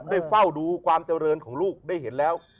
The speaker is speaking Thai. ได้เฝ้าดูความเจริญของลูกได้เห็นแล้ว